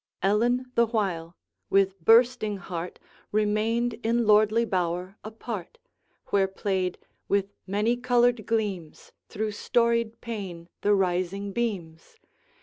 Ellen the while, with bursting heart, Remained in lordly bower apart, Where played, with many coloured gleams, Through storied pane the rising beams.